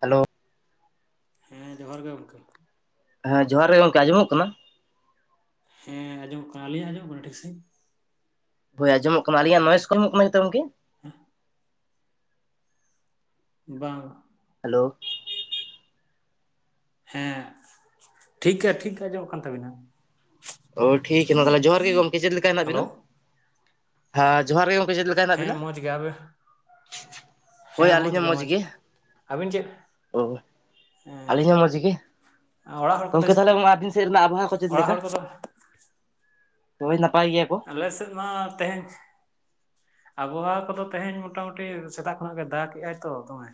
Hello. ᱦᱮᱸ ᱡᱚᱦᱟᱨ ᱜᱮ ᱜᱚᱢᱠᱮ᱾ ᱦᱮᱸ ᱡᱚᱦᱟᱨ ᱜᱮ ᱜᱚᱝᱠᱮ, ᱟᱸᱡᱚᱢᱚᱜ ᱠᱟᱱᱟ? ᱦᱮᱸ ᱟᱸᱡᱚᱢ ᱠᱟᱱᱟ, ᱟᱹᱞᱤᱧᱟ ᱟᱸᱡᱚᱢ ᱠᱟᱱᱟ ᱴᱷᱮᱠ ᱥᱟᱹᱦᱤᱸᱡ? ᱦᱳᱭ ᱟᱡᱚᱢᱚᱜ ᱠᱟᱱᱟ ᱟᱹᱞᱤᱧᱟᱜ ᱱᱳᱭᱮᱥ ᱠᱚᱢᱚᱜ ᱠᱟᱱᱟ ᱱᱮ ᱪᱮᱛᱟ ᱜᱚᱝᱠᱮ? [unintelligible] ᱵᱟᱝ᱾ ᱦᱮᱞᱳ᱾ ᱦᱮᱸ ᱴᱷᱤᱠᱜᱮ ᱴᱷᱤᱠᱜᱮ ᱟᱸᱡᱚᱢᱚᱜ ᱠᱟᱱ ᱛᱟᱵᱤᱱᱟ᱾ ᱳ ᱴᱷᱤᱠᱮ ᱢᱟ ᱛᱟᱦᱚᱞᱮ ᱡᱚᱦᱟᱨ ᱜᱮ ᱜᱚᱢᱠᱮ ᱪᱮᱫ ᱞᱮᱠᱟ ᱦᱮᱱᱟᱜ ᱦᱮᱞᱳ ᱵᱤᱱᱟ,? ᱦᱮᱸ ᱡᱚᱦᱟᱨ ᱜᱮ ᱜᱚᱝᱠᱮ ᱪᱮᱫ ᱞᱮᱠᱟ? ᱦᱮᱱᱟᱜ ᱵᱤᱱᱟ ᱦᱮᱸ ᱢᱚᱡᱽ ᱜᱮ, ᱟᱵᱮ ᱦᱳᱭ ᱦᱮᱸ ᱢᱚᱡᱽ ᱟᱹᱞᱤᱧ ᱦᱚᱸ ᱜᱮ ᱢᱚᱡᱽ ᱜᱮ ᱟᱹᱵᱤᱱ ᱪᱮᱫ? ᱚ ᱦᱮᱸ᱾ ᱟᱹᱞᱤᱧ ᱦᱚᱸ ᱢᱚᱡᱽ ᱜᱮ ᱟ ᱚᱲᱟᱜ ᱦᱚᱲ ᱜᱚᱝᱠᱮ ᱠᱚᱫᱚᱥ ᱛᱟᱦᱚᱞᱮ ᱟᱹᱵᱤᱱ ᱥᱮᱫ ᱨᱮᱱᱟᱜ ᱟᱵᱚᱦᱟᱣᱟ ᱠᱚ ᱪᱮᱫ ᱚᱲᱟᱜ ᱞᱮᱠᱟ ᱦᱚᱲ ᱠᱚᱫᱚ ᱦᱳᱭ ᱱᱟᱯᱟᱭ ᱜᱮᱭᱟ ᱠᱚ᱾ ᱟᱞᱮᱥᱮᱫ ᱢᱟ ᱛᱮᱦᱮᱧ, ᱟᱵᱷᱚᱣᱟ ᱠᱚᱫᱚ ᱛᱮᱦᱮᱧ ᱢᱚᱴᱟᱢᱩᱴᱤ ᱥᱮᱛᱟᱜ ᱠᱷᱚᱱᱟᱜ ᱜᱮ ᱫᱟᱜᱮᱜᱟᱭ ᱛᱚ ᱫᱚᱢᱮ᱾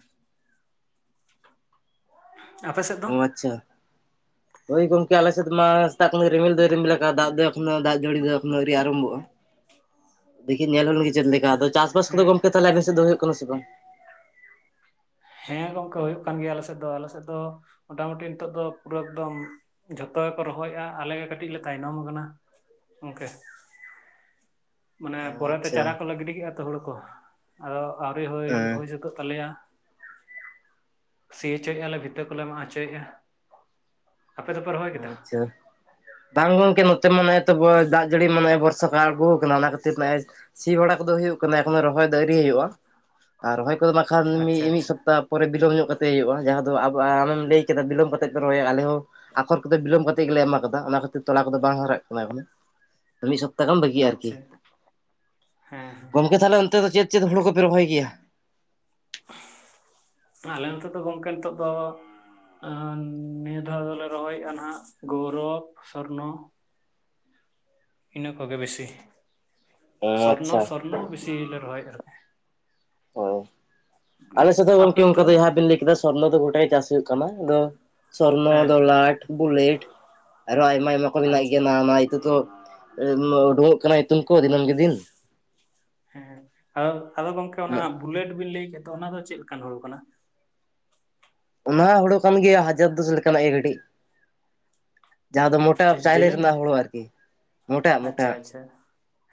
ᱟᱯᱮ ᱥᱮᱫ ᱫᱚ ᱚ ᱟᱪᱪᱷᱟ᱾ ᱦᱳᱭ ᱜᱚᱝᱠᱮ ᱟᱞᱮᱥᱮᱫᱽ ᱢᱟ ᱥᱮᱛᱟᱜ ᱠᱷᱚᱱ ᱨᱤᱢᱤᱞ ᱫᱚᱭ ᱨᱤᱢᱤᱞ ᱟᱠᱟᱫ ᱫᱟᱜ ᱫᱚ ᱮᱠᱷᱚᱱᱳ ᱫᱟᱜ ᱡᱟᱹᱲᱤ ᱫᱚ ᱮᱠᱷᱚᱱᱳ ᱟᱹᱣᱨᱤ ᱟᱨᱚᱢᱵᱷᱚᱜᱼᱟ᱾ [inaudible] ᱫᱤᱠᱷᱤ ᱧᱮᱞ ᱦᱩᱞ ᱞᱮᱱᱜᱮ ᱪᱮᱫ ᱞᱮᱠᱟ ᱟᱫᱚ ᱪᱟᱥᱻᱵᱟᱥ ᱠᱚᱫᱚ ᱦᱮᱸ ᱜᱚᱝᱠᱮ ᱛᱟᱦᱞᱮ ᱟᱵᱮᱱ ᱥᱮᱫ ᱫᱚ ᱦᱩᱭᱩᱜ ᱠᱟᱱᱟ ᱥᱮ ᱵᱟᱝ? ᱦᱮᱸ ᱜᱚᱝᱠᱮ ᱦᱩᱭᱩᱜ ᱠᱟᱱ ᱜᱮᱭᱟ ᱟᱞᱮᱥᱮᱫ ᱫᱚ ᱟᱞᱮᱥᱮᱫ ᱫᱚ ᱢᱚᱴᱟᱢᱩᱴᱤ ᱱᱤᱛᱚᱜ ᱫᱚ ᱯᱩᱨᱟᱹ ᱮᱠᱫᱚᱢ ᱡᱷᱚᱛᱚ ᱜᱮᱠᱚ ᱨᱚᱦᱚᱭᱮᱜᱼᱟ ᱟᱞᱮ ᱜᱮ ᱠᱟᱹᱴᱤᱡ ᱞᱮ ᱛᱟᱭᱱᱚᱢ ᱠᱟᱱᱟ ᱚᱱᱠᱟᱹ᱾ [inaudible] ᱢᱟᱱᱮ ᱚ ᱯᱚᱨᱮᱛᱮ ᱟᱪᱪᱷᱟ ᱪᱟᱨᱟ ᱠᱚᱞᱮ ᱜᱤᱰᱤᱮᱫᱼᱟ ᱛᱚ ᱦᱩᱲᱩ ᱠᱚ ᱟᱫᱚ ᱟᱹᱣᱨᱤ ᱦᱩᱭ ᱦᱮᱸ ᱦᱩᱭ ᱥᱟᱹᱛᱟᱹᱜ ᱛᱟᱞᱮᱭᱟ᱾ ᱥᱤ ᱚᱪᱚᱭᱮᱫᱼᱟ ᱞᱮ ᱵᱷᱤᱛᱟᱹ ᱠᱚᱞᱮ ᱢᱟᱜ ᱚᱪᱚᱭᱮᱫᱼᱟ᱾ ᱟᱯᱮ ᱫᱚᱯᱮ ᱨᱚᱦ ᱟᱪᱪᱷᱟ, ᱵᱟᱝ ᱜᱚᱝᱠᱮ ᱱᱚᱛᱮ ᱢᱟ ᱱᱮ ᱛᱚ ᱵᱚ ᱫᱟᱜ ᱡᱟᱹᱲᱤ ᱢᱟᱱᱮ ᱵᱚᱨᱥᱟ᱾ ᱟᱬᱜᱚ ᱟᱠᱟᱱᱟ ᱚᱱᱟ ᱠᱷᱟᱹᱛᱤᱨ ᱱᱮᱜᱼᱮ ᱥᱤ ᱵᱟᱲᱟ ᱠᱚᱫᱚ ᱦᱩᱭᱩᱜ ᱠᱟᱱᱟ ᱮᱠᱷᱚᱱᱳ ᱨᱚᱦᱚᱭ ᱫᱚ ᱟᱹᱨᱤ ᱦᱩᱭᱩᱜᱼᱟ᱾ ᱟᱨ ᱨᱚᱦᱚᱭ ᱠᱚ ᱢᱟᱠᱷᱟᱱ ᱢᱤᱜ ᱟᱪᱪᱷᱟ ᱢᱤᱜ ᱟᱪᱪᱷᱟ ᱥᱚᱯᱛᱟ᱾ ᱯᱚᱨᱮ ᱵᱤᱞᱚᱢ ᱧᱚᱜ ᱠᱟᱛᱮ ᱦᱩᱭᱩᱜᱼᱟ, ᱡᱟᱦᱟᱸ ᱫᱚ ᱟᱵ ᱟᱢᱮᱢ ᱞᱟᱹᱭ ᱠᱮᱫᱟ ᱵᱤᱞᱚᱢ ᱠᱟᱛᱮᱫ ᱯᱮ ᱨᱚᱦᱭᱟ ᱟᱞᱮ ᱦᱚᱸ ᱟᱠᱷᱚᱨ ᱠᱚᱫᱚ ᱵᱤᱞᱚᱢ ᱠᱟᱛᱮᱫ ᱜᱮᱞᱮ ᱮᱢᱟ ᱠᱟᱫᱟ ᱚᱱᱟ ᱠᱷᱟᱹᱛᱤᱨ ᱛᱚᱞᱟ ᱠᱚᱫᱚ ᱵᱟᱝ ᱦᱟᱨᱟᱜ ᱠᱟᱱᱟ ᱚᱱᱮ᱾ ᱢᱤᱫ ᱥᱚᱯᱛᱟ ᱠᱚᱢ ᱵᱟᱹᱜᱤ ᱟᱨᱠᱤ᱾ ᱟᱪᱪᱷᱟ ᱦᱮᱸ ᱦᱮᱸ ᱜᱚᱢᱠᱮ ᱛᱟᱦᱚᱞᱮ ᱚᱱᱛᱮ ᱫᱚ ᱪᱮᱫ ᱪᱮᱫ ᱦᱳᱲᱳ ᱠᱚᱯᱮ ᱨᱚᱦᱚᱭ ᱜᱮᱭᱟ? ᱟᱞᱮ ᱱᱚᱛᱮ ᱫᱚ ᱜᱚᱝᱠᱮ ᱱᱤᱛᱳᱜ ᱫᱚ ᱱᱤᱭᱟᱹ ᱫᱷᱟᱣ ᱫᱚᱞᱮ ᱨᱚᱦᱚᱭᱮᱫᱼᱟ ᱱᱟᱦᱱᱟᱜ ᱜᱳᱨᱚᱵᱽ, ᱥᱚᱨᱱᱚ, ᱤᱱᱟᱹ ᱠᱚᱜᱮ ᱵᱮᱥᱤ ᱚ ᱥᱚᱨᱱᱚ ᱟᱪᱪᱷᱟ ᱥᱚᱨᱱᱚ ᱵᱤᱥᱤ ᱞᱮ ᱨᱚᱦᱚᱭᱮᱫᱼᱟ᱾ ᱟᱨᱠᱤ᱾ ᱦᱳᱭ ᱟᱞᱮ ᱥᱮᱫ ᱫᱚ ᱟᱯᱮ ᱜᱚᱝᱠᱮ ᱚᱱᱛᱮ ᱚᱱᱠᱟ ᱫᱚ ᱡᱟᱦᱟᱸ ᱵᱤᱱ ᱞᱟᱹᱭ ᱠᱮᱫᱟ ᱥᱚᱨᱱᱚ ᱫᱚ ᱜᱚᱴᱟᱜ ᱜᱮ ᱪᱟᱥ ᱦᱩᱭᱩᱜ ᱠᱟᱱᱟ ᱟᱫᱚ, ᱥᱚᱨᱱᱚ, ᱦᱮᱸ ᱫᱚᱞᱟᱴᱷ, ᱵᱩᱞᱮᱴᱷ᱾ ᱟᱨᱚ ᱟᱭᱢᱟ ᱟᱭᱢᱟ ᱠᱚ ᱢᱮᱱᱟᱜ ᱟᱪᱪᱷᱟ ᱜᱮᱭᱟ ᱚᱱᱟ ᱤᱛᱟᱹ ᱛᱚ᱾ [inaudible] ᱩᱰᱸᱩᱝᱚᱜ ᱠᱟᱱᱟ ᱤᱛᱩᱢ ᱠᱚ ᱫᱤᱱᱟᱹᱢ ᱜᱮ ᱫᱤᱱ᱾ ᱦᱮᱸ ᱟᱫᱚ ᱟᱫᱚ ᱜᱚᱝᱠᱮ ᱚᱱᱟ ᱵᱩᱞᱮᱴ ᱵᱤᱱ ᱞᱟᱹᱭ ᱠᱮᱫ ᱛᱚ ᱚᱱᱟ ᱫᱚ ᱪᱮᱫ ᱞᱮᱠᱟᱱ ᱦᱩᱲᱩ ᱠᱟᱱᱟ? ᱚᱱᱟ ᱦᱩᱲᱩ ᱠᱟᱱ ᱜᱮᱭᱟ ᱦᱟᱡᱟᱨ ᱫᱚᱥ ᱞᱮᱠᱟᱱᱟᱜ ᱜᱮ ᱠᱟᱹᱴᱤᱡ᱾ ᱡᱟᱦᱟᱸ ᱫᱚ ᱢᱚᱴᱟ ᱪᱮᱫ ᱪᱟᱣᱞᱮ ᱡᱮᱞᱮᱧ, ᱨᱮᱱᱟᱜ ᱦᱩᱲᱩ ᱟᱨᱠᱤ ᱢᱚᱴᱟᱜ ᱟᱪᱪᱷᱟ ᱢᱚᱴᱟᱜ ᱟᱪᱷᱟ᱾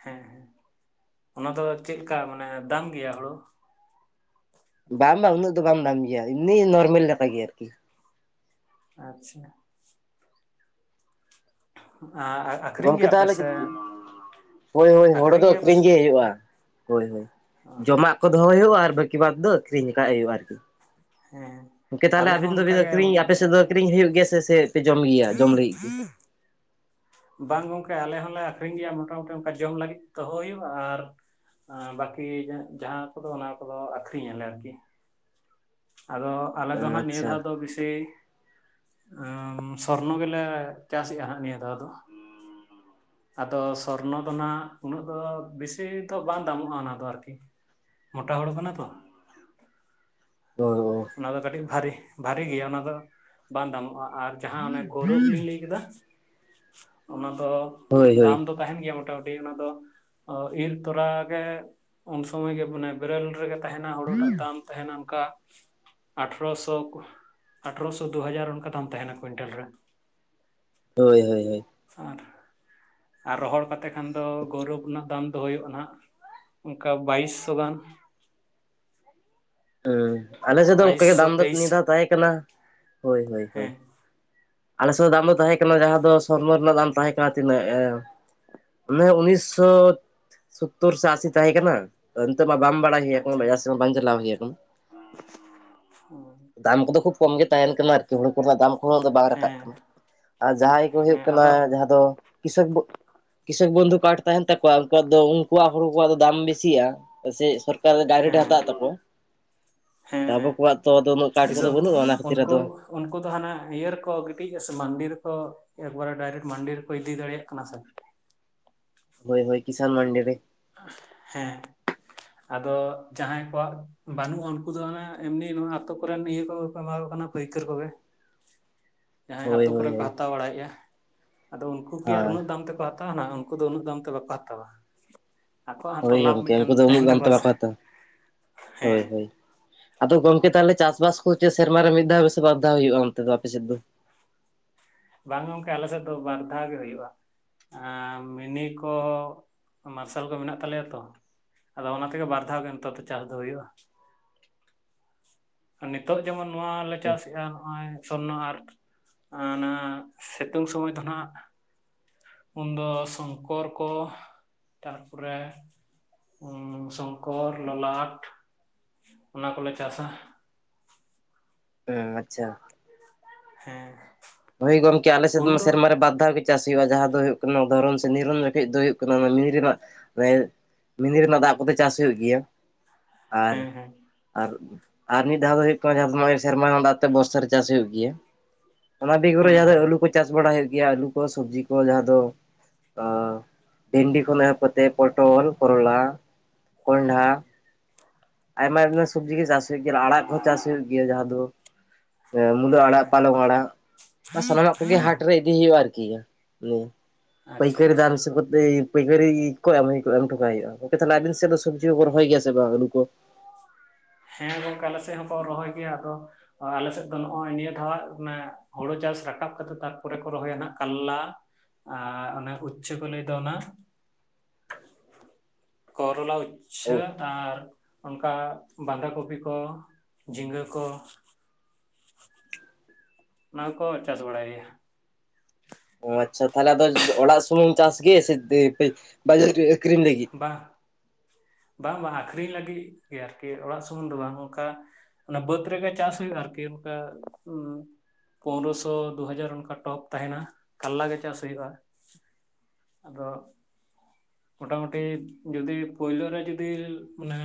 ᱦᱮᱸ ᱦᱮᱸ, ᱚᱱᱟ ᱫᱚ ᱪᱮᱫ ᱞᱮᱠᱟ ᱢᱟᱱᱮ ᱫᱟᱢ ᱜᱮᱭᱟ ᱦᱩᱲᱩ? ᱵᱟᱝ ᱵᱟᱝ ᱩᱱᱟᱹᱜ ᱫᱚ ᱵᱟᱢ ᱫᱟᱢ ᱜᱮᱭᱟ ᱮᱢᱱᱤ ᱱᱚᱨᱢᱚᱞ ᱞᱮᱠᱟ ᱜᱮ ᱟᱨᱠᱤ᱾ ᱟᱪᱪᱷᱟ ᱟᱨ [unintelligible] ᱜᱚᱝᱠᱮ ᱛᱟᱦᱚᱞᱮ ᱦᱳᱭ ᱦᱳᱭ ᱦᱳᱲᱳ ᱟᱠᱷᱨᱤᱧ ᱫᱚ ᱜᱮᱭᱟ ᱯᱮ ᱟᱹᱠᱷᱨᱤᱧ ᱥᱮ ᱜᱮ ᱦᱩᱭᱩᱜᱼᱟ ᱾ [inaudible] ᱦᱳᱭ ᱦᱳᱭ ᱚ ᱡᱚᱢᱟᱜ ᱠᱚ ᱫᱚᱦᱚᱭ ᱦᱩᱭᱩᱜᱼᱟ ᱟᱨ ᱵᱟᱹᱠᱤ ᱵᱟᱸᱫᱷ ᱫᱚ ᱟᱹᱠᱷᱨᱤᱧ ᱞᱮᱠᱟᱜ ᱦᱩᱭᱩᱜᱼᱟ ᱟᱨᱠᱤ ᱦᱮᱸ ᱜᱚᱝᱠᱮ ᱛᱟᱦᱚᱞᱮ ᱟᱞᱮ ᱦᱚᱸ ᱟᱵᱤᱱ ᱫᱚᱵᱤᱱ ᱚᱱᱠᱟᱜᱮ ᱟᱹᱷᱨᱤᱧ ᱟᱯᱮ ᱥᱮᱫ ᱫᱚ ᱟᱹᱷᱨᱤᱧ ᱦᱩᱭᱩᱜ ᱜᱮᱭᱟ ᱥᱮ ᱯᱮ ᱡᱚᱢ ᱜᱮᱭᱟ ᱡᱚᱢ ᱞᱟᱹᱜᱤᱫ ᱜᱮ ᱵᱟᱝ ᱜᱚᱝᱠᱮ ᱟᱞᱮ ᱦᱚᱸᱞᱮ ᱟᱠᱷᱨᱤᱧ ᱜᱮᱭᱟ ᱢᱳᱴᱟᱢᱩᱴᱤ ᱚᱱᱠᱟ ᱡᱚᱢ ᱞᱟᱹᱜᱤᱫ ᱫᱚᱦᱚ ᱦᱩᱭᱩᱜᱼᱟ ᱟᱨ ᱵᱟᱹᱠᱤ ᱡᱟᱦᱟᱸ ᱠᱚᱫᱚ ᱚᱱᱟ ᱠᱚᱫᱚ ᱟᱹᱠᱷᱨᱤᱧ ᱟᱞᱮ ᱟᱨᱠᱤ ᱟᱫᱚ ᱟᱞᱮ ᱚ ᱫᱚ ᱦᱟᱸᱜ ᱱᱤᱭᱟᱹ ᱟᱪᱪᱷᱟ ᱫᱷᱟᱣ ᱫᱚ ᱵᱮᱥᱤ ᱥᱚᱨᱱᱚ ᱜᱮᱞᱮ ᱪᱟᱥᱮᱜᱼᱟ ᱦᱟᱜ ᱱᱤᱭᱟᱹ ᱫᱟᱣ ᱫᱚ ᱾ ᱟᱫᱚ ᱥᱚᱨᱱᱚ ᱫᱚ ᱱᱟᱜ ᱩᱱᱟᱹᱜ ᱫᱚ ᱵᱮᱥᱤ ᱫᱚ ᱵᱟᱝ ᱫᱟᱢᱚᱜᱼᱟ ᱚᱱᱟ ᱫᱚ ᱟᱨᱠᱤ ᱢᱳᱴᱟ ᱦᱳᱲᱳ ᱠᱟᱱᱟ ᱛᱚ? ᱚ᱾ ᱚᱱᱟ ᱫᱚ ᱠᱟᱹᱴᱤᱡ ᱵᱷᱟᱨᱤ, ᱵᱷᱟᱨᱤ ᱜᱮᱭᱟ ᱚᱱᱟ ᱫᱚ ᱵᱟᱝ ᱫᱟᱢᱚᱜᱼᱟ ᱟᱨ᱾ ᱡᱟᱦᱟᱸ ᱚᱱᱮ ᱜᱳᱹᱨᱚᱵᱽ ᱞᱤᱧ ᱞᱟᱹᱭ ᱠᱮᱫᱟ ᱚᱱᱟ ᱫᱚ ᱦᱳᱭ ᱦᱳᱭ ᱫᱟᱢ ᱫᱚ ᱛᱟᱦᱮᱱ ᱜᱮᱭᱟ ᱢᱚᱴᱟᱢᱩᱴᱤ ᱚᱱᱟ ᱫᱚ ᱤᱨ ᱛᱚᱨᱟ ᱜᱮ ᱩᱱ ᱥᱚᱢᱚᱭ ᱜᱮ ᱢᱟᱱᱮ ᱵᱮᱨᱮᱞ ᱨᱮᱜᱮ ᱛᱟᱦᱮᱱᱟ ᱦᱩᱲᱩ ᱴᱟᱜ ᱫᱟᱢ ᱛᱟᱦᱮᱱᱟ ᱚᱱᱠᱟ ᱟᱴᱷᱨᱚᱥᱚ ᱟᱴᱷᱨᱚᱥᱚ ᱫᱩ ᱦᱟᱡᱟᱨ ᱚᱱᱠᱟ ᱫᱟᱢ ᱛᱟᱦᱮᱱᱟ ᱠᱩᱭᱤᱱᱴᱮᱞ ᱨᱮ᱾ ᱦᱳᱭ ᱦᱳᱭ ᱦᱳᱭ ᱾ ᱟᱨ ᱟᱨ ᱨᱚᱦᱚᱲ ᱠᱟᱛᱮ ᱠᱷᱟᱱ ᱫᱚ ᱜᱚᱶᱨᱚᱵ ᱨᱮᱱᱟᱜ ᱫᱟᱢ ᱫᱚ ᱦᱩᱭᱩᱜᱼᱟ ᱦᱟᱸᱜ ᱚᱝᱠᱟ ᱵᱟᱭᱤᱥ ᱥᱚ ᱜᱟᱱ᱾ ᱦᱩᱸ ᱟᱞᱮ ᱥᱮᱫ ᱫᱚ ᱚᱱᱠᱟ ᱜᱮ ᱵᱟᱭᱤᱥᱥᱚ ᱫᱟᱢ ᱫᱚ ᱛᱮᱭᱤᱥ ᱱᱤᱭᱟᱹ ᱫᱷᱟᱣ ᱛᱟᱦᱮᱸ ᱠᱟᱱᱟ ᱦᱳᱭ ᱦᱳᱭ᱾ ᱦᱮᱸ ᱟᱞᱮ ᱥᱮᱫ ᱫᱚ ᱫᱟᱢ ᱫᱚ ᱛᱟᱦᱮᱸ ᱠᱟᱱᱟ ᱡᱟᱦᱟᱸ ᱫᱚ ᱥᱚᱨᱱᱚ ᱨᱮᱱᱟᱜ ᱫᱟᱢ ᱛᱟᱦᱮᱸ ᱠᱟᱱᱟ ᱛᱤᱱᱟᱹᱜ ᱮ ᱚᱱᱮ ᱩᱱᱤᱥᱥᱚ ᱥᱳᱛᱛᱚᱨ ᱥᱮ ᱟᱥᱤ ᱛᱟᱦᱮᱸ ᱠᱟᱱᱟ ᱱᱤᱛᱚᱜ ᱢᱟ ᱵᱟᱢ ᱵᱟᱲᱟ ᱦᱩᱭ ᱟᱠᱟᱱᱟ ᱵᱟᱡᱟᱨ ᱥᱮᱫ ᱵᱟᱝ ᱪᱟᱞᱟᱣ ᱦᱩᱭ ᱟᱠᱟᱱᱟ᱾ ᱦᱚᱸ ᱫᱟᱢ ᱠᱚᱫᱚ ᱠᱷᱩᱵ ᱠᱚᱢ ᱜᱮ ᱛᱟᱦᱮᱱ ᱠᱟᱱᱟ ᱟᱨ ᱦᱳᱲᱳ ᱠᱚᱨᱮᱱᱟᱜ ᱫᱟᱢ ᱠᱚᱦᱚᱸ ᱛᱚ ᱟᱫᱚ ᱵᱟᱝ ᱨᱟᱠᱟᱜ ᱦᱮᱸ ᱠᱟᱱᱟ ᱟᱨ ᱡᱟᱦᱟᱸᱭ ᱠᱚ ᱦᱩᱭᱩᱜ ᱦᱮᱸ ᱠᱟᱱᱟ ᱟᱫᱚ ᱡᱟᱦᱟᱸ ᱫᱚ ᱠᱤᱥᱚᱠ ᱵᱚ ᱠᱤᱥᱚᱠ ᱵᱚᱱᱫᱷᱩ ᱠᱟᱨᱰ ᱛᱟᱦᱮᱱ ᱛᱟᱠᱚᱣᱟ ᱩᱱᱠᱩᱣᱟᱜ ᱫᱚ ᱩᱱᱠᱩᱣᱟᱜ ᱦᱩᱲᱩ ᱠᱚᱣᱟᱜ ᱫᱚ ᱫᱟᱢ ᱵᱤᱥᱤᱜᱼᱟ ᱥᱚᱨ [unintelligible] ᱰᱟᱭᱨᱮᱠᱴ ᱦᱮᱸ ᱦᱟᱛᱟᱣ ᱮᱫ ᱛᱟᱠᱚᱣᱟ ᱾ ᱦᱮᱸ ᱦᱮᱸ ᱚᱱᱟ [inaudible] ᱠᱷᱟᱹᱛᱤᱨ ᱩᱱᱠᱩ ᱟᱫᱚ ᱩᱱᱠᱩ ᱫᱚ ᱦᱟᱱᱟ ᱤᱭᱟᱹ ᱨᱮᱠᱚ ᱜᱤᱰᱤᱡᱼᱟ ᱥᱮ ᱢᱟᱱᱰᱤ ᱨᱮᱠᱚ ᱮᱠᱵᱟᱨᱮ ᱰᱟᱭᱨᱮᱠᱴ ᱢᱟᱱᱰᱤ ᱨᱮᱠᱚ ᱤᱫᱤ ᱫᱟᱲᱮᱭᱟᱜ ᱠᱟᱱᱟ ᱥᱮ᱾ ᱦᱳᱭ ᱦᱳᱭ ᱠᱤᱥᱟᱱ ᱢᱟᱱᱰᱤ ᱨᱮ᱾ ᱦᱮᱸ ᱟᱫᱚ ᱡᱟᱦᱟᱸᱭ ᱠᱚᱣᱟᱜ ᱵᱟᱹᱱᱩᱜᱼᱟ ᱩᱱᱠᱩ ᱫᱚ ᱮᱢᱱᱤ ᱟᱛᱳ ᱠᱚᱨᱮᱱ ᱤᱭᱟᱹ ᱠᱚ ᱠᱚ ᱮᱢᱟ ᱠᱚ ᱠᱟᱱᱟ ᱾ ᱯᱟᱹᱭᱠᱟᱨ ᱠᱚ ᱜᱮ ᱾ ᱡᱟᱦᱟᱸᱭ ᱦᱳᱭ ᱟᱛᱳ ᱠᱚᱨᱮ ᱦᱳᱭ ᱠᱚ ᱦᱟᱛᱟᱣ ᱵᱟᱲᱟᱭᱮᱫᱼᱟ᱾ ᱟᱫᱚ ᱩᱱᱠᱩ ᱠᱤ ᱟᱨ ᱦᱳᱭ ᱩᱱᱟᱹᱜ ᱫᱟᱢ ᱛᱮᱠᱚ ᱦᱟᱛᱟ ᱛᱟᱣ ᱱᱟᱜ ᱩᱱᱠᱩ ᱫᱚ ᱩᱱᱟᱹᱜ ᱫᱟᱢ ᱛᱮ ᱵᱟᱠᱚ ᱦᱟᱛᱟᱣᱟ ᱾ ᱦᱳᱭ ᱜᱚᱝᱠᱮ ᱩᱱᱠᱩ ᱫᱚ ᱩᱱᱟᱹᱜ ᱫᱟᱢ ᱵᱟᱠᱚ ᱦᱟᱛᱟ ᱦᱳᱭ ᱦᱮᱸ ᱦᱳᱭ᱾ ᱟᱫᱚ ᱜᱚᱝᱠᱮ ᱛᱟᱦᱚᱞᱮ ᱪᱟᱥᱵᱟᱥ ᱠᱚ ᱪᱮᱫ ᱥᱮᱨᱢᱟ ᱨᱮ ᱢᱤᱫ ᱫᱷᱟᱣ ᱯᱮ ᱵᱟᱫᱷᱟᱣ ᱦᱩᱭᱩᱜᱼᱟ ᱚᱱᱛᱮ ᱫᱚ ᱟᱯᱮ ᱥᱮᱫ ᱫᱚ? ᱵᱟᱝ ᱜᱚᱝᱠᱮ ᱟᱞᱮ ᱥᱮᱫ ᱫᱚ ᱵᱟᱨ ᱫᱷᱟᱣ ᱜᱮ ᱦᱳᱭᱳᱜᱼᱟ ᱾ ᱟ ᱢᱤᱱᱤ ᱠᱚ ᱢᱟᱨᱥᱟᱞ ᱠᱚ ᱢᱮᱱᱟᱜ ᱛᱟᱞᱮᱭᱟ ᱛᱚ ᱾ ᱟᱫᱚ ᱚᱱᱟ ᱛᱮᱜᱮ ᱵᱟᱨ ᱫᱷᱟᱣ ᱜᱮ ᱱᱤᱛᱚᱜ ᱫᱚ ᱪᱟᱥ ᱫᱚ ᱦᱳᱭᱳᱜᱼᱟ ᱾ ᱱᱤᱛᱚᱜ ᱡᱮᱢᱚᱱ ᱱᱚᱣᱟ ᱞᱮ ᱪᱟᱥᱮᱫᱼᱟ ᱱᱚᱜᱼᱚᱭ ᱥᱚᱨᱱᱚ ᱟᱨ ᱱᱟ ᱟ ᱥᱤᱛᱩᱝ ᱥᱚᱢᱚᱭ ᱫᱚ ᱱᱟᱜ ᱩᱱᱫᱚ ᱥᱚᱝᱠᱚᱨ ᱠᱚ ᱛᱟᱨᱯᱚᱨᱮ ᱩᱸ ᱥᱚᱝᱠᱚᱨ ᱞᱚᱞᱟᱴ ᱚᱱᱟ ᱠᱚᱞᱮ ᱪᱟᱥᱟ ᱾ ᱦᱩᱸ ᱟᱪᱪᱷᱟ ᱾ ᱦᱮᱸ ᱦᱳᱭ ᱜᱚᱢᱠᱮ ᱟᱞᱮᱥᱮᱫ ᱢᱟ ᱩᱱᱫᱚ ᱥᱮᱨᱢᱟᱨ ᱨᱮ ᱵᱟᱫᱷᱟᱣ ᱜᱮ ᱪᱟᱥ ᱦᱩᱭᱩᱜᱼᱟ ᱡᱟᱦᱟᱸ ᱫᱚ ᱦᱩᱭᱩᱜ ᱠᱟᱱᱟ ᱫᱷᱚᱨᱚᱱ ᱥᱮ ᱱᱤᱨᱚᱱ ᱡᱚᱠᱷᱮᱡ ᱫᱚ ᱦᱩᱭᱩᱜ ᱠᱟᱱᱟ ᱢᱤᱱᱤ ᱨᱮᱱᱟᱜ ᱮ ᱪᱟ ᱢᱤᱱᱤ ᱨᱮᱱᱟᱜ ᱫᱟᱜ ᱠᱚᱛᱮ ᱪᱟᱥ ᱦᱩᱭᱩᱜ ᱜᱮᱭᱟ ᱟᱨ ᱦᱮᱸ ᱦᱮᱸ ᱟᱨ ᱟᱨ ᱢᱤᱫ ᱫᱷᱟᱣ ᱫᱚ ᱦᱳᱭᱳᱜ ᱠᱟᱱᱟ ᱡᱟᱦᱟᱸᱜ ᱥᱮᱨᱢᱟ ᱨᱮᱱᱟᱜ ᱫᱟᱜ ᱛᱮ ᱵᱚᱨᱥᱟ ᱨᱮ ᱪᱟᱥ ᱦᱳᱭᱳᱜ ᱜᱮᱭᱟ᱾ ᱚᱱᱟ ᱰᱤᱠᱚᱨᱮ [unintelligible] ᱦᱮᱸ ᱡᱟᱦᱟᱸ ᱫᱚ ᱦᱮᱸ ᱟᱹᱞᱩ ᱠᱚ ᱪᱟᱥ ᱵᱟᱲᱟ ᱦᱳᱭᱳᱜ ᱜᱮᱭᱟ ᱟᱹᱞᱩ ᱠᱚ ᱥᱚᱵᱽᱡᱤ ᱠᱚ ᱡᱟᱦᱟᱸ ᱫᱚ ᱚ ᱵᱷᱮᱱᱰᱤ ᱠᱷᱚᱱ ᱮᱦᱚᱵ ᱠᱟᱛᱮᱛ ᱯᱚᱴᱚᱞ ᱠᱚᱨᱚᱞᱟ᱾ ᱠᱚᱸᱰᱷᱟ ᱦᱮᱸ ᱟᱭᱢᱟ ᱟᱭᱢᱟ ᱥᱚᱵᱽᱡᱤ ᱜᱮ ᱪᱟᱥ ᱦᱩᱭᱩᱜ ᱜᱮᱭᱟ ᱟᱲᱟᱜ ᱠᱚ ᱦᱚᱸ ᱪᱟᱥ ᱦᱩᱭᱩᱜ ᱜᱮᱭᱟ ᱡᱟᱦᱟᱸ ᱫᱚ ᱮ ᱢᱩᱞᱟᱹ ᱟᱲᱟ ᱦᱮᱸ ᱯᱟᱞᱚᱝ ᱟᱲᱟᱜ᱾ ᱥᱟᱱᱟᱢᱟᱜ ᱠᱚᱜᱮ ᱦᱮᱸ ᱦᱟᱴ ᱨᱮ ᱤᱫᱤ ᱦᱩᱭᱩᱜᱼᱟ ᱟᱨᱠᱤ ᱤᱭᱟᱹ ᱟᱪᱪᱷᱟ ᱯᱟᱹᱭᱠᱟᱹᱨ ᱟᱪᱪᱷᱟ ᱫᱟᱢ ᱥᱮ ᱵᱩ ᱯᱟᱹᱭᱠᱟᱹᱨᱤ ᱠᱚ ᱮᱢ ᱦᱩᱭᱩᱜᱼᱟ ᱮᱢ ᱦᱚᱴᱚ ᱠᱟᱭ ᱦᱩᱭᱩᱜᱼᱟ ᱜᱚᱝᱠᱮ ᱛᱟᱦᱚᱞᱮ ᱟᱵᱤᱱ ᱥᱮᱫ ᱫᱚ ᱥᱚᱵᱽᱡᱤ ᱠᱚ ᱨᱚᱦᱚᱭ ᱜᱮᱭᱟ ᱥᱮ ᱵᱟᱝ ᱟᱹᱞᱩ ᱠᱚ? ᱦᱮᱸ ᱜᱚᱝᱠᱮ ᱟᱞᱮ ᱥᱮᱫ ᱦᱚᱸᱠᱚ ᱨᱚᱦᱚᱭ ᱜᱮᱭᱟ ᱟᱫᱚ ᱟᱞᱮ ᱥᱮᱫ ᱫᱚ ᱱᱚᱜᱼᱚᱭ ᱱᱤᱭᱟᱹ ᱫᱷᱟᱣ ᱦᱩᱲᱩ ᱪᱟᱥ ᱨᱟᱠᱟᱵ ᱠᱟᱛᱮ ᱛᱟᱨᱯᱚᱨᱮ ᱠᱚ ᱨᱚᱦᱚᱭᱟ ᱦᱟᱸᱜ ᱠᱟᱞᱞᱟ ᱾ ᱟᱨ ᱚᱱᱟ ᱩᱪᱪᱷᱟᱹ ᱠᱚ ᱞᱟᱹᱭ ᱫᱚ ᱚᱱᱟ᱾ ᱠᱚᱨᱚᱞᱟ ᱚ ᱩᱪᱪᱷᱟᱹ ᱟᱨ ᱚᱱᱠᱟ ᱵᱟᱸᱫᱟᱷᱟ ᱠᱚᱯᱤ ᱠᱚ ᱡᱷᱤᱸᱜᱟᱹ ᱠᱚ ᱚᱱᱟ ᱠᱚ ᱪᱟᱥ ᱵᱟᱲᱟᱭ ᱜᱮᱭᱟ ᱟᱪᱪᱷᱟ ᱛᱟᱦᱚᱞᱮ ᱟᱫᱚ ᱚᱲᱟᱜ ᱥᱩᱢᱩᱢ ᱪᱟᱥ ᱜᱮ ᱥᱮ ᱵᱟᱡᱟᱨ ᱟᱹᱠᱷᱨᱤᱧ ᱞᱟᱹᱜᱤᱫ ᱵᱟᱝ ᱵᱟᱝ ᱵᱟᱝ ᱟᱹᱠᱷᱨᱤᱧ ᱞᱟᱹᱜᱤᱫ ᱜᱮ ᱟᱨᱠᱤ ᱚᱲᱟᱜ ᱥᱩᱢᱩᱝ ᱫᱚ ᱵᱟᱝ ᱚᱱᱠᱟ ᱚᱱᱟ ᱵᱟᱹᱫᱽ ᱨᱮᱜᱮ ᱪᱟᱥ ᱦᱩᱭᱩᱜᱼᱟ ᱟᱨᱠᱤ ᱚᱱᱠᱟ ᱯᱚᱱᱨᱚᱥᱚ ᱫᱩ ᱦᱟᱡᱟᱨ ᱚᱱᱠᱟ ᱴᱚᱯ ᱛᱟᱦᱮᱸᱱᱟ ᱠᱟᱞᱞᱟ ᱜᱮ ᱪᱟᱥ ᱦᱩᱭᱩᱜᱼᱟ ᱟᱫᱚ ᱢᱚᱴᱟᱢᱩᱴᱤ ᱡᱩᱫᱤ ᱯᱳᱭᱞᱳ ᱨᱮ ᱡᱩᱫᱤ ᱢᱟᱱᱮᱼᱼ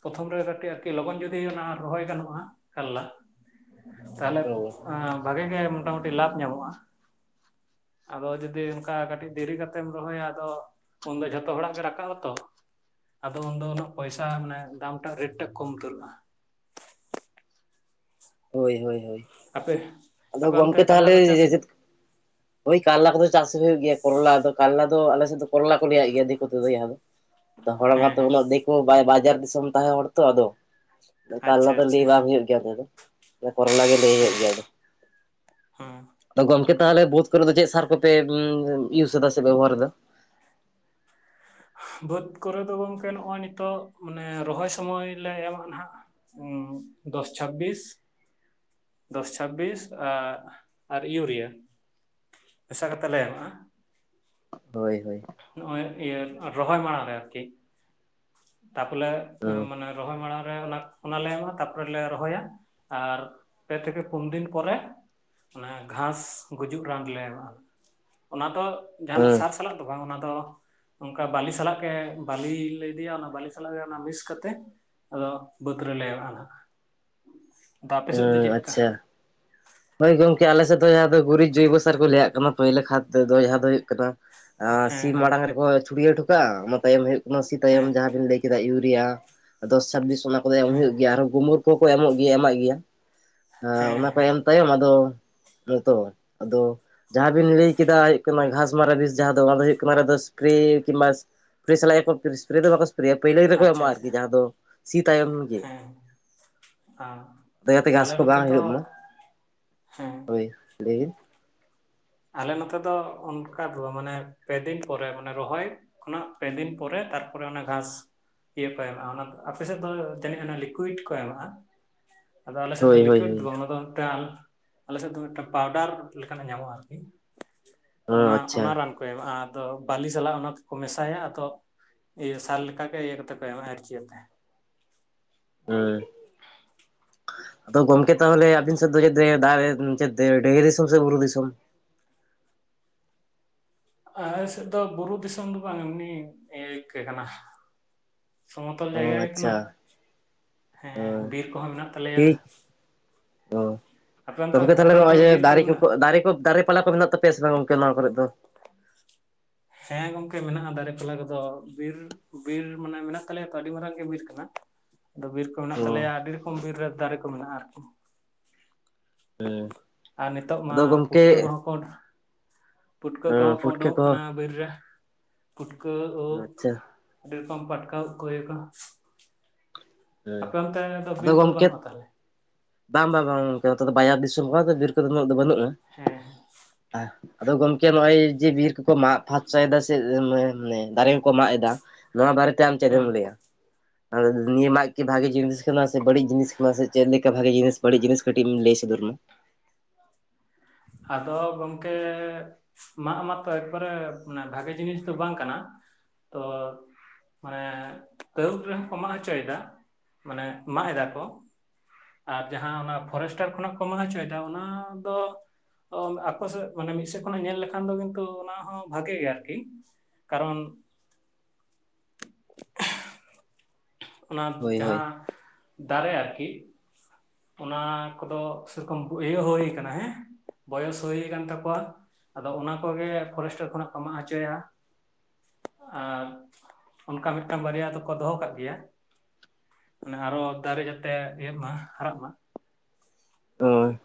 ᱯᱨᱚᱛᱷᱚᱢ ᱨᱮ ᱠᱟᱹᱴᱤᱡ ᱟᱨᱠᱤ ᱞᱚᱜᱚᱱ ᱡᱩᱫᱤ ᱚᱱᱟ ᱨᱚᱦᱚᱭ ᱜᱟᱱᱚᱜᱼᱟ ᱠᱟᱞᱞᱟ ᱛᱟᱦᱞᱮ ᱚ ᱵᱷᱟᱜᱤ ᱜᱮ ᱢᱚᱴᱟᱢᱩᱴᱤ ᱞᱟᱵᱷ ᱧᱟᱢᱚᱜᱼᱟ ᱟᱫᱚ ᱡᱩᱫᱤ ᱚᱱᱠᱟ ᱠᱟᱹᱴᱤᱡ ᱫᱮᱨᱤ ᱠᱟᱛᱮᱢ ᱨᱚᱦᱚᱭᱟ ᱟᱫᱚ ᱩᱱᱫᱚ ᱡᱷᱚᱛᱚ ᱦᱚᱲᱟᱜ ᱜᱮ ᱨᱟᱠᱟᱵ ᱟᱛᱚ ᱟᱫᱚ ᱩᱱᱫᱚ ᱩᱱᱟᱹᱜ ᱯᱚᱭᱥᱟ ᱢᱟᱱᱮ ᱫᱟᱢ ᱴᱟᱜ ᱨᱮᱴ ᱴᱟᱜ ᱠᱚᱢ ᱩᱛᱟᱹᱨᱚᱜᱼᱟ ᱦᱳᱭ ᱦᱳᱭ ᱦᱳᱭ ᱟᱯᱮ ᱟᱫᱚ ᱟᱯᱮ ᱚᱱᱛᱮ ᱜᱚᱢᱠᱮ ᱠᱟᱞᱞᱟ ᱛᱟᱦᱚᱞᱮ ᱠᱚ ᱪᱟᱥ ᱜᱮᱭᱟ ᱪᱮᱫ ᱦᱳᱭ ᱠᱟᱞᱞᱟ ᱠᱚ ᱫᱚ ᱪᱟᱥ ᱦᱩᱭᱩᱜ ᱜᱮᱭᱟ ᱠᱚᱨᱚᱞᱟ ᱫᱚ ᱠᱟᱞᱞᱟ ᱫᱚ ᱟᱞᱮ ᱥᱮᱫ ᱫᱚ ᱠᱚᱨᱚᱞᱟ ᱠᱚ ᱞᱟᱹᱭᱟᱜ ᱜᱮᱭᱟ ᱫᱤᱠᱩ ᱛᱮᱫ ᱫᱚ ᱡᱟᱦᱟᱸ ᱫᱚ ᱚ ᱦᱚᱲ ᱦᱮᱸ ᱢᱟᱛᱚ ᱦᱮᱸ ᱩᱱᱟᱹᱜ ᱫᱤᱠᱩ ᱵᱟᱭ ᱵᱟᱡᱟᱨ ᱫᱤᱥᱚᱢ ᱛᱟᱦᱮᱸ ᱦᱚᱲ ᱛᱚ ᱟᱫᱚ ᱠᱟᱞᱞᱟ ᱟᱪᱪᱷᱟ ᱫᱚ ᱟᱪᱪᱷᱟ ᱞᱟᱹᱭ ᱦᱮᱸ ᱵᱟᱝ ᱦᱩᱭᱩᱜ ᱜᱮᱭᱟ ᱫᱚ ᱠᱚᱨᱚᱞᱟ ᱜᱮ ᱞᱟᱹᱭ ᱦᱩᱭᱩᱜ ᱜᱮᱭᱟ ᱟᱫᱚ ᱦᱮᱸ ᱟᱫᱚ ᱜᱚᱝᱠᱮ ᱛᱟᱦᱚᱞᱮ ᱵᱟᱹᱫ ᱠᱚ ᱨᱮ ᱫᱚ ᱪᱮᱫ ᱥᱟᱨ ᱠᱚ ᱯᱮ ᱤᱭᱩᱥ ᱮᱫᱟ ᱥᱮ ᱵᱮᱵᱚᱦᱟᱨ ᱮᱟ ᱵᱟᱹᱫᱽ ᱠᱚ ᱨᱮᱫᱚ ᱜᱚᱢᱠᱮ ᱱᱚᱜᱼᱚᱭ ᱱᱤᱛᱚᱜ ᱢᱟᱱᱮ ᱨᱚᱦᱚᱭ ᱥᱚᱢᱚᱭ ᱞᱮ ᱮᱢᱟ ᱱᱟᱦᱟᱜ ᱩ ᱫᱚᱥ ᱪᱷᱟᱵᱽᱵᱤᱥ ᱫᱚᱥ ᱪᱷᱟᱵᱽᱵᱤᱥ ᱟᱨ ᱤᱭᱩᱨᱤᱭᱟᱹ ᱢᱮᱥᱟ ᱠᱟᱛᱮᱫ ᱞᱮ ᱮᱢᱟᱜᱼᱟ ᱦᱳᱭ ᱦᱳᱭ ᱱᱚᱜᱼᱚᱭ ᱤᱭᱟᱹ ᱨᱚᱦᱚᱭ ᱢᱟᱲᱟᱝ ᱨᱮ ᱟᱨᱠᱤ ᱛᱟᱯᱚᱨᱮ ᱦᱮᱸ ᱚᱱᱮ ᱨᱚᱦᱚᱭ ᱢᱟᱲᱟᱝ ᱨᱮ ᱚᱱᱟ ᱞᱮ ᱮᱢᱟᱜᱼᱟ ᱛᱟᱨᱯᱚᱨᱮ ᱞᱮ ᱨᱚᱦᱚᱭᱟ ᱟᱨ ᱯᱮ ᱛᱷᱮᱠᱮ ᱯᱩᱱ ᱫᱤᱱ ᱯᱚᱨᱮ ᱚᱱᱟ ᱜᱷᱟᱥ ᱜᱩᱡᱩᱜ ᱨᱟᱱ ᱞᱮ ᱮᱢᱟᱜᱼᱟ ᱚᱱᱟ ᱫᱚ ᱡᱟᱦᱟᱸᱱᱟᱜ ᱦᱮᱸ ᱥᱟᱨ ᱥᱟᱞᱟᱜ ᱫᱚ ᱵᱟᱝ ᱚᱱᱟ ᱫᱚ ᱚᱱᱠᱟ ᱵᱟᱹᱞᱤ ᱥᱟᱞᱟᱜ ᱜᱮ ᱵᱟᱹᱞᱤ ᱞᱮ ᱤᱫᱤᱭᱟ ᱚᱱᱟ ᱵᱟᱞᱤ ᱥᱟᱞᱟᱜ ᱜᱮ ᱚᱱᱟ ᱢᱤᱠᱥ ᱠᱟᱛᱮ ᱟᱫᱚ ᱵᱟᱹᱫᱽ ᱨᱮᱞᱮ ᱮᱨᱟᱜᱼᱟ ᱱᱟᱜ ᱫᱟ ᱟᱯᱮ ᱥᱮᱫ ᱫᱚ ᱪᱮᱫ ᱞᱮᱠᱟ ᱟᱪᱪᱷᱟ ᱦᱳᱭ ᱜᱚᱝᱠᱮ ᱟᱞᱮ ᱥᱮᱫ ᱫᱚ ᱡᱟᱦᱟᱸ ᱫᱚ ᱜᱩᱨᱤᱡ ᱡᱚᱭᱵᱚ ᱥᱟᱨ ᱠᱚ ᱞᱟᱹᱭᱟᱜ ᱠᱟᱱᱟ ᱯᱳᱭᱞᱟᱹ ᱠᱷᱟᱛ ᱛᱮᱫᱚ ᱡᱟᱦᱟᱸ ᱫᱚ ᱦᱩᱭᱩᱜ ᱠᱟᱱᱟ ᱥᱤ ᱦᱮᱸ ᱦᱮᱸ ᱢᱟᱲᱟᱝ ᱨᱮᱠᱚ ᱪᱷᱩᱲᱭᱟᱹ ᱴᱚ ᱠᱟᱜᱼᱟ ᱚᱱᱟ ᱛᱟᱭᱚᱢ ᱦᱩᱭᱩᱜ ᱚᱱᱟ ᱥᱤ ᱦᱮᱸ ᱛᱟᱭᱚᱢ ᱡᱟᱦᱟᱸᱵᱤᱱ ᱞᱟᱹᱭ ᱠᱮᱫᱟ ᱤᱭᱩᱨᱤᱭᱟᱹ ᱫᱚᱥ ᱪᱷᱟᱵᱽᱵᱤᱥ ᱚᱱᱟ ᱠᱚᱫᱚ ᱮᱢ ᱦᱮᱸ ᱦᱩᱭᱩᱜ ᱜᱮᱭᱟ ᱟᱨ ᱦᱚᱸ ᱜᱩᱢᱩᱨ ᱠᱚ ᱦᱚᱸ ᱠᱚ ᱮᱢᱚᱜ ᱜᱮᱭᱟ ᱮᱢᱟᱜ ᱜᱮᱭᱟ ᱦᱮᱸ ᱚᱱᱟ ᱦᱮᱸ ᱛᱟᱭᱚᱢ ᱛᱟᱭᱚᱢ ᱟᱫᱚ [unintelligible] ᱛᱚ ᱟᱫᱚ ᱡᱟᱦᱟᱸ ᱵᱤᱱ ᱞᱟᱹᱭ ᱠᱮᱫᱟ ᱦᱩᱭᱩᱜ ᱠᱟᱱᱟ ᱜᱷᱟᱥ ᱢᱟᱨᱟ ᱵᱤᱥ ᱡᱟᱦᱟᱸ ᱫᱚ ᱚᱱᱟ ᱫᱚ ᱦᱩᱭᱩᱜ ᱠᱟᱱᱟ ᱥᱯᱨᱮ ᱠᱤᱱ ᱵᱟ ᱯᱷᱮᱥᱨᱮ ᱥᱟᱞᱟᱜ ᱜᱮᱠᱚ ᱥᱯᱨᱮ ᱫᱚ ᱵᱟᱠᱚ ᱯᱟᱹᱭᱞᱟᱹ ᱨᱮ ᱠᱚ ᱟᱪᱪᱷᱟ ᱮᱢᱚᱜᱼᱟ ᱟᱪᱪᱷᱟ ᱟᱨᱠᱤ, ᱡᱟᱦᱟᱸ ᱫᱚ ᱥᱤ ᱛᱟᱭᱚᱢ ᱜᱮ! ᱦᱟᱸ ᱟᱫᱚ ᱡᱟᱛᱮ ᱜᱷᱟᱥ ᱟᱞᱮ ᱠᱚ ᱱᱚᱛᱮ ᱫᱚ ᱦᱮᱸ ᱦᱮ ᱞᱟᱹᱭ ᱵᱤᱱ? ᱟᱞᱮ ᱱᱚᱛᱮ ᱫᱚ ᱚᱱᱠᱟ ᱫᱚ ᱵᱟᱝ ᱢᱟᱱᱮ ᱯᱮ ᱫᱤᱱ ᱯᱚᱨᱮ ᱢᱟᱱᱮ ᱨᱚᱦᱚᱭ ᱠᱷᱚᱱᱟᱜ ᱯᱮ ᱫᱤᱱ ᱯᱚᱨᱮ ᱛᱟᱨᱯᱚᱨᱮ ᱚᱱᱟ ᱜᱷᱟᱥ ᱤᱭᱟᱹ ᱠᱚ ᱮᱢᱟᱜᱼᱟ᱾ ᱚᱱᱟ ᱫᱚ ᱟᱯᱮ ᱥᱮᱫ ᱫᱚ ᱡᱟᱹᱱᱤᱡ ᱚᱱᱟ ᱞᱤᱠᱩᱭᱤᱰ ᱠᱚ ᱮᱢᱟᱜᱼᱟ᱾ ᱟᱫᱚ ᱟᱞᱮ ᱥᱮᱫ ᱫᱚ ᱦᱳᱭ ᱦᱳᱭ ᱞᱤᱠᱩᱭᱤᱰ ᱦᱳᱭ ᱫᱚ ᱵᱟᱝ ᱚᱱᱟ ᱫᱚ ᱢᱤᱫᱴᱟᱝ ᱟᱞᱮ ᱥᱮᱫ ᱫᱚ ᱢᱤᱫ ᱴᱟᱝ ᱯᱟᱣᱰᱟᱨ ᱞᱮᱠᱟᱱᱟᱜ ᱧᱟᱢᱚᱜᱼᱟ ᱟᱨᱠᱤ ᱦᱚᱸ ᱚᱱᱟ ᱟᱪᱪᱷᱟ ᱚᱱᱟ ᱨᱟᱱ ᱠᱚ ᱮᱢᱟᱜᱼᱟ ᱟᱫᱚ ᱵᱟᱹᱞᱤ ᱥᱟᱞᱟᱜ ᱚᱱᱟ ᱛᱮᱠᱚ ᱢᱮᱥᱟᱭᱟ ᱟᱫᱚ ᱤᱭᱟᱹ ᱥᱟᱨ ᱞᱮᱠᱟ ᱜᱮ ᱤᱭᱟᱹ ᱠᱟᱛᱮ ᱠᱚ ᱮᱢᱟᱼᱟ ᱤᱨᱪᱤ ᱟᱛᱮ ᱦᱮᱸ [inaudible] ᱟᱫᱚ ᱜᱚᱢᱠᱮ ᱛᱟᱦᱚᱞᱮ ᱟᱵᱤᱱ ᱥᱮᱫ ᱫᱚ ᱫᱟᱨᱮ ᱰᱟᱦᱤ ᱫᱤᱥᱚᱢ ᱥᱮ ᱵᱩᱨᱩ ᱫᱤᱥᱚᱢ? ᱟᱞᱮ ᱥᱮᱫ ᱫᱚ ᱵᱩᱨᱩ ᱫᱤᱥᱚᱢ ᱫᱚ ᱵᱟᱝ ᱮᱢᱱᱤ ᱜᱮ ᱠᱟᱱᱟ᱾ ᱥᱚᱢᱚᱛᱚᱞ ᱡᱟᱭᱜᱟ ᱚ ᱜᱮ ᱠᱟᱱᱟ, ᱟᱪᱪᱷᱟ ᱦᱮᱸ ᱵᱤᱨ ᱠᱚᱦᱚᱸ ᱢᱮᱱᱟᱜ ᱛᱟᱞᱮᱭᱟ᱾ ᱦᱚᱸ, ᱟᱯᱮ ᱚᱱᱛᱮ ᱜᱚᱢᱠᱮ ᱛᱟᱦᱞᱮ ᱟᱯᱮ ᱚᱱᱛᱮ ᱱᱚᱜᱼᱚᱭ ᱫᱚ ᱡᱮ ᱵᱤᱨ ᱠᱚᱫᱚ ᱫᱟᱨᱮ ᱠᱚᱠᱚ ᱢᱮᱱᱟᱜᱼᱟ ᱫᱟᱨᱮ ᱠᱚ ᱫᱟᱨᱮ ᱯᱟᱞᱟ ᱠᱚ ᱢᱮᱱᱟᱜ ᱛᱟᱯ ᱯᱮᱭᱟ ᱥᱮ ᱵᱟᱝ ᱜᱚᱢᱠᱮ ᱱᱚᱣᱟ ᱠᱚᱨᱮ ᱫᱚ ᱦᱮᱸ ᱜᱚᱢᱠᱮ ᱢᱮᱱᱟᱜᱼᱟ᱾ ᱫᱟᱨᱮᱯᱟᱞᱟ ᱠᱚᱫᱚ ᱵᱤᱨ, ᱵᱤᱨ ᱢᱟᱱᱮ ᱢᱮᱱᱟᱜ ᱛᱟᱞᱮᱭᱟ ᱛᱚ ᱟᱹᱰᱤ ᱢᱟᱨᱟᱝ ᱜᱮ ᱵᱤᱨ ᱠᱟᱱᱟ᱾ ᱟᱫᱚ ᱵᱤᱨ ᱠᱚ ᱢᱮᱱᱟᱜ ᱚ ᱛᱟᱞᱮᱭᱟ ᱟᱹᱰᱤ ᱨᱚᱠᱚᱢ ᱵᱤᱨ ᱨᱮ ᱫᱟᱨᱮ ᱠᱚ ᱢᱮᱱᱟᱜᱼᱟ ᱟᱨᱠᱤ᱾ ᱟᱨ ᱱᱤᱛᱚᱜ ᱢᱟ ᱟᱫᱚ ᱜᱚᱢᱠᱮ ᱯᱩᱴᱠᱟᱹ ᱠᱚᱦᱚᱸ ᱠᱚ, ᱯᱩᱴᱠᱟᱹ ᱠᱚᱦᱚᱸ ᱠᱚ ᱩᱰᱩᱝᱚᱜ ᱠᱟᱱᱟ ᱵᱤᱨ ᱨᱮ᱾ ᱯᱩᱴᱠᱟᱹ, ᱩᱫ ᱟᱪᱪᱷᱟ ᱟᱹᱰᱤ ᱨᱚᱠᱚᱢ ᱯᱴᱠᱟ ᱩᱫ ᱠᱚ ᱤᱭᱟᱹ ᱠᱚ, ᱟᱯᱮ ᱚᱱᱛᱮ ᱫᱚ ᱟᱫᱚ ᱵᱤᱨ ᱠᱚᱫᱚ ᱜᱚᱢᱠᱮ ᱵᱟᱹᱱᱩᱜᱼᱟ ᱛᱟᱦᱞᱮ? ᱵᱟᱝ, ᱵᱟᱝ, ᱵᱟᱝ ᱜᱚᱢᱠᱮ ᱱᱚᱛᱮ ᱫᱚ ᱵᱡᱟᱨ ᱫᱤᱥᱚᱢ ᱦᱚᱲ, ᱟᱫᱚ ᱵᱤᱨ ᱠᱚᱫᱚ ᱩᱱᱟᱹᱜ ᱫᱚ ᱵᱟᱹᱱᱩᱜᱼᱟ᱾ ᱦᱮᱸ ᱦᱮᱸ ᱦᱮᱸ ᱟᱫᱚ ᱜᱚᱢᱠᱮ ᱱᱚᱜ-ᱚᱭ ᱡᱮ ᱵᱤᱨ ᱠᱚᱠᱚ ᱢᱟᱜ ᱯᱷᱟᱨᱪᱟᱭᱮᱫᱟ ᱥᱮ ᱢᱟᱱᱮ ᱫᱟᱨᱮ ᱠᱚᱠᱚ ᱢᱟᱜ ᱮᱫᱟ᱾ ᱱᱚᱣᱟ ᱵᱟᱨᱮᱛᱮ ᱟᱢ ᱪᱮᱫ ᱦᱮᱸ ᱮᱢ ᱞᱟᱹᱭᱟ? ᱟᱫᱚ ᱱᱤᱭᱟᱹ ᱢᱟᱜ ᱵᱷᱟᱜᱤ ᱡᱤᱱᱤᱥ ᱠᱟᱱᱟ ᱥᱮ ᱵᱟᱹᱲᱤᱡ ᱡᱤᱱᱤᱥ ᱠᱟᱱᱟ ᱥᱮ ᱪᱮᱫ ᱞᱮᱠᱟ ᱵᱷᱟᱜᱤ ᱡᱤᱱᱤᱥ ᱵᱟᱹᱲᱤᱡ ᱡᱤᱱᱤᱥ ᱠᱟᱹᱴᱤᱡ ᱮᱢ ᱞᱟᱹᱭ ᱥᱚᱫᱚᱨ ᱢᱮ? ᱟᱫᱚ ᱜᱚᱢᱠᱮ ᱢᱟᱜ ᱢᱟᱛᱚ ᱮᱠᱵᱟᱨᱮ ᱢᱟᱱᱮ ᱵᱷᱟᱜᱮ ᱡᱤᱱᱤᱥ ᱫᱚ ᱵᱟᱝ ᱠᱟᱱᱟ ᱛᱚ ᱢᱟᱱᱮ ᱠᱟᱹᱣᱩᱞ ᱨᱮᱦᱚᱸ ᱠᱚ ᱢᱟᱜ ᱦᱚᱪᱚᱭᱮᱫᱟ ᱢᱟᱱᱮ ᱢᱟᱜ ᱮᱫᱟ ᱠᱚ᱾ ᱟᱨ ᱡᱟᱦᱟᱸ ᱚᱱᱟ ᱯᱷᱚᱨᱮᱥᱴᱟᱨ ᱠᱷᱚᱱᱟᱜ ᱠᱚ ᱢᱟᱜ ᱦᱚᱪᱚᱭᱮᱫᱟ ᱚᱱᱟ ᱫᱚ ᱚᱢ, ᱟᱠᱚ ᱥᱮᱫ ᱢᱟᱱᱮ ᱢᱤᱫ ᱥᱮᱫ ᱠᱷᱚᱱᱟᱜ ᱧᱮᱞ ᱞᱮᱠᱷᱟᱱ ᱫᱚ ᱜᱚᱝᱠᱮ ᱚᱱᱟ ᱦᱚᱸ ᱵᱷᱟᱜᱤ ᱜᱮᱭᱟ ᱟᱨᱠᱤ᱾ ᱠᱟᱨᱚᱱ ᱚᱱᱟ ᱦᱳᱭ ᱦᱳᱭ ᱡᱟᱦᱟᱸ ᱫᱟᱨᱮ ᱟᱨᱠᱤ ᱚᱱᱟ ᱠᱚᱫᱚ ᱥᱮᱨᱚᱠᱚᱢ ᱤᱭᱟᱹ ᱦᱩᱭ ᱠᱟᱱᱟ ᱦᱮᱸ ᱵᱚᱭᱚᱥ ᱦᱩᱭ ᱠᱟᱱ ᱛᱟᱠᱚᱣᱟ᱾ ᱟᱫᱚ ᱚᱱᱟ ᱠᱚᱜᱮ ᱯᱷᱚᱨᱮᱥᱴᱟᱨ ᱠᱷᱚᱱᱟᱜ ᱠᱚ ᱢᱟᱜ ᱦᱚᱪᱚᱭᱟ᱾ ᱟᱨ ᱚᱱᱠᱟ ᱢᱤᱫᱴᱟᱝ ᱵᱟᱨᱭᱟ ᱫᱚᱠᱚ ᱫᱚᱦᱚ ᱠᱟᱜ ᱜᱮᱭᱟ᱾ ᱢᱟᱱᱮ ᱟᱨᱚ ᱫᱟᱨᱮ ᱡᱟᱛᱮ ᱤᱭᱟᱹᱜ ᱢᱟ ᱦᱟᱨᱟᱜ ᱢᱟ᱾ ᱦᱩᱸ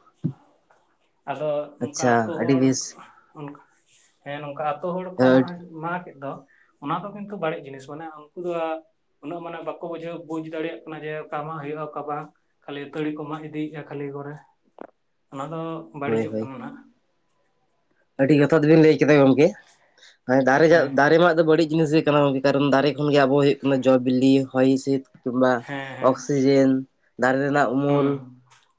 ᱟᱫᱚ ᱚᱱᱠᱟ ᱟᱹᱛᱩ ᱟᱹᱰᱤ ᱦᱚᱲ, ᱵᱮᱥ ᱩᱱ ᱦᱮᱸ ᱱᱚᱝᱠᱟ ᱟᱹᱛᱩ ᱦᱚᱲ ᱠᱚ ᱢᱟ ᱢᱟᱜᱮᱫ ᱫᱚ ᱚᱱᱟ ᱫᱚ ᱠᱤᱱᱛᱩ ᱵᱟᱹᱲᱤᱡ ᱡᱤᱱᱤᱥ ᱢᱟᱱᱮ ᱩᱝᱠᱩ ᱫᱚ᱾ ᱩᱱᱟᱹᱜ ᱢᱟᱱᱮ ᱵᱟᱠᱚ ᱵᱩᱡᱷᱟᱹᱣ ᱵᱩᱡᱽ ᱫᱟᱲᱮᱭᱟᱜ ᱠᱟᱱᱟ ᱡᱮ ᱚᱠᱟ ᱢᱟᱜ ᱦᱩᱭᱩᱜᱼᱟ ᱚᱠᱟ ᱵᱟᱝ? ᱠᱷᱟᱹᱞᱤ ᱛᱟᱹᱲᱤ ᱠᱚ ᱢᱟᱜ ᱤᱫᱤᱭᱮᱜᱼᱟ᱾ ᱠᱷᱟᱹᱞᱤ ᱠᱚᱨᱮ ᱚᱱᱟ ᱫᱚ ᱦᱳᱭ ᱵᱟᱹᱲᱤᱡᱚᱜ ᱦᱳᱭ ᱠᱟᱱᱟ ᱱᱟᱜ᱾ ᱟᱹᱰᱤ ᱡᱚᱛᱷᱟᱛᱵᱤᱱ ᱞᱟᱹᱭ ᱠᱮᱫᱟ ᱜᱚᱝᱠᱮ ᱦᱚᱸ ᱫᱟᱨᱮ ᱦᱮᱸ ᱡᱟᱜ ᱫᱟᱨᱮ ᱢᱟᱜ ᱫᱚ ᱵᱟᱹᱲᱤᱡ ᱡᱤᱱᱤᱥ ᱜᱮ ᱠᱟᱱᱟ ᱜᱚᱝᱠᱮ ᱠᱟᱨᱚᱱ ᱫᱟᱨᱮ ᱠᱷᱚᱱ ᱜᱮ ᱟᱵᱚ ᱦᱩᱭᱩᱜ ᱠᱟᱱᱟ ᱡᱚ ᱵᱤᱞᱤ ᱦᱚᱭ ᱦᱤᱸᱥᱤᱫ ᱠᱤᱝᱵᱟ ᱦᱮᱸ ᱦᱮᱸ ᱚᱠᱥᱤᱡᱮᱱ ᱫᱟᱨᱮ ᱨᱮᱱᱟᱜ ᱦᱩᱸ ᱩᱢᱩᱞ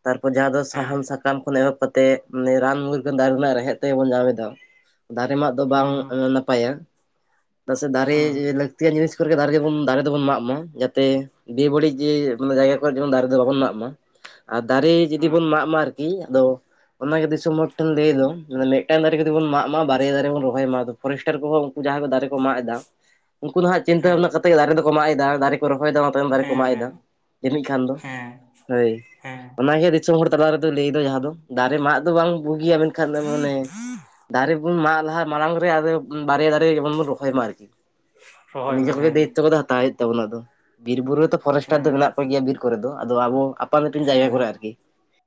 ᱛᱟᱨᱯᱚᱨ ᱡᱟᱦᱟᱸ ᱫᱚ ᱦᱮᱸ ᱥᱟᱦᱟᱱ ᱥᱟᱠᱟᱢ ᱠᱷᱚᱱ ᱮᱦᱚᱵ ᱠᱟᱛᱮᱫ ᱨᱟᱱ ᱢᱩᱨᱜᱟᱹᱱ ᱫᱟᱨᱮ ᱨᱮᱱᱟᱜ ᱨᱮᱦᱮᱫ ᱛᱮᱵᱚᱱ ᱧᱟᱢ ᱮᱫᱟ, ᱫᱟᱨᱮ ᱢᱟᱜ ᱫᱚ ᱦᱩᱸ ᱵᱟᱝ ᱦᱩᱸ ᱱᱟᱯᱟᱭᱟ ᱛᱚ, ᱯᱟᱥᱮ ᱫᱟᱨᱮ ᱦᱩᱸ ᱞᱟᱠ ᱛᱤᱭᱟᱱ ᱡᱤᱱᱤᱥ ᱠᱚᱨᱮ ᱜᱮ ᱫᱟᱨᱮ ᱫᱚᱵᱚᱱ ᱫᱟᱨᱮ ᱫᱚᱵᱚᱱ ᱢᱟᱜ ᱢᱟ ᱡᱟᱛᱮ ᱵᱮ ᱵᱟᱹᱲᱤᱡ ᱡᱮ ᱢᱟᱱᱮ ᱡᱟᱭᱜᱟ ᱠᱚᱨᱮ ᱡᱮᱢᱚᱱ ᱫᱟᱨᱮ ᱫᱚ ᱵᱟᱵᱚᱱ ᱢᱟᱜ ᱢᱟ ᱟᱨ ᱫᱟᱨᱮ ᱡᱩᱫᱤ ᱦᱩᱸ ᱵᱚᱱ ᱢᱟᱜ ᱢᱟ ᱟᱨᱠᱤ ᱟᱫᱚ ᱚᱱᱟ ᱜᱮ ᱫᱤᱥᱚᱢ ᱦᱚᱲ ᱴᱷᱮᱱ ᱞᱟᱹᱭ ᱫᱚ ᱢᱤᱫ ᱴᱟᱝ ᱫᱟᱨᱮ ᱡᱚᱫᱤ ᱵᱚᱱ ᱢᱟᱜ ᱢᱟ ᱵᱟᱨᱭᱟ ᱫᱟᱨᱮ ᱵᱚᱱ ᱨᱚᱦᱚᱭ ᱢᱟ ᱯᱷᱚᱨᱮᱥᱴᱟᱨ ᱠᱚᱦᱚᱸ ᱩᱝᱠᱩ ᱡᱟᱦᱟᱸ ᱠᱚ ᱫᱟᱨᱮ ᱠᱚ ᱢᱟᱜ ᱮᱫᱟ ᱩᱱᱠᱩ ᱱᱟᱦᱟᱸᱜ ᱪᱤᱱᱛᱟᱹ ᱦᱮᱸ ᱵᱷᱟᱵᱱᱟ ᱠᱟᱛᱮᱜ ᱫᱟᱨᱮ ᱫᱚᱠᱚ ᱢᱟᱜ ᱮᱫᱟ ᱫᱟᱨᱮ ᱨᱚᱦᱚᱭᱟ ᱫᱟ ᱛᱟᱭᱚᱢ ᱫᱟᱨᱮ ᱠᱚ ᱦᱮᱸ ᱢᱟᱜ ᱦᱮᱸ ᱮᱫᱟ ᱡᱟᱹᱱᱤᱡ ᱠᱷᱟᱱ ᱫᱚ ᱦᱮᱸ ᱦᱳᱭ, ᱦᱮᱸ ᱚᱱᱟ ᱤᱛᱟᱹ ᱫᱤᱥ ᱫᱤᱥᱚᱢ ᱦᱚᱲ ᱛᱟᱞᱟ ᱨᱮᱫᱚ ᱞᱟᱹᱭ ᱫᱚ ᱡᱟᱦᱟᱸ ᱫᱚ ᱫᱟᱨᱮ ᱢᱟᱜ ᱫᱚ ᱵᱟᱝ ᱵᱩᱜᱤᱭᱟ ᱢᱮᱱ ᱠᱷᱟᱱ ᱫᱚ ᱢᱟᱱᱮ ᱫᱟᱨᱮ ᱵᱚᱱ ᱢᱟᱜ ᱞᱟᱦᱟ ᱢᱟᱲᱟᱝ ᱜᱮ ᱟᱫᱚ ᱵᱟᱨᱭᱟ ᱫᱟᱨᱮ ᱡᱮᱢᱚᱱ ᱵᱚᱱ ᱨᱚᱦᱚᱭ ᱢᱟ ᱟᱨᱠᱤ, ᱨᱚᱦᱚᱭ ᱢᱮ ᱱᱤᱡᱮ ᱛᱮᱜᱮ ᱦᱮᱸ ᱫᱟᱹᱭᱤᱛᱛᱚ ᱠᱟᱛᱮ ᱦᱟᱛᱟᱣ ᱦᱩᱭᱩᱜ ᱛᱟᱵᱚᱱᱟ ᱟᱫᱚ ᱵᱤᱨ ᱵᱩᱨᱩ ᱨᱮᱫᱚ ᱯᱷᱚᱨᱮᱥᱴᱟᱨ ᱫᱚ ᱦᱮᱸ ᱢᱮᱱᱟᱜ ᱠᱚᱜᱮᱭᱟ ᱵᱤᱨ ᱠᱚᱨᱮ ᱫᱚ ᱟᱫᱚ ᱟᱵᱚ ᱟᱯᱟᱱ ᱟᱹᱯᱤᱱ ᱦᱮᱸ ᱡᱟᱭᱜᱟ ᱠᱚᱨᱮ ᱦᱮᱸ ᱟᱨᱠᱤ